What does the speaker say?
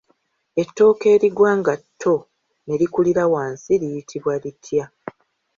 Ettooke erigwa nga tto ne likulira wansi liyitibwa litya?